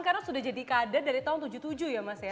karena sudah jadi kader dari tahun tujuh puluh tujuh ya mas ya